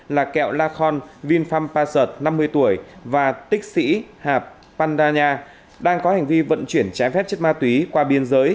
là kẹo la khon vinpham pasat năm mươi tuổi và tích sĩ hạp pandanya đang có hành vi vận chuyển trái phép chất ma túy qua biên giới